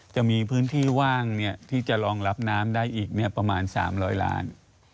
จะมีพื้นที่ว่างที่จะรองรับน้ำได้อีกประมาณ๓๐๐ล้าน